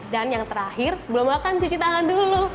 dan yang terakhir sebelum makan cuci tangan dulu